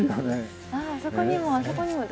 あっあそこにもあそこにも。